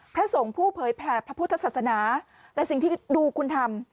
พระสงฆ์ผู้เผยแผลพระพุทธศาสนาแต่สิ่งที่ดูคุณทำ